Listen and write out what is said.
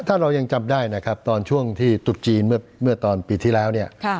ถ้าเรายังจำได้ตอนช่วงที่สุดจีนเมื่อตอนปีที่แล้ว